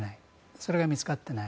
それが見つかっていない。